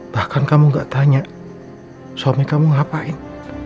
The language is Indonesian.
bahkan kamu gak tanya suami kamu ngapain